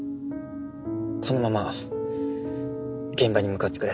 このまま現場に向かってくれ。